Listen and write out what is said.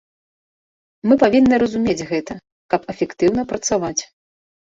Мы павінны разумець гэта, каб эфектыўна працаваць.